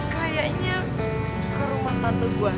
ke rumah tante gua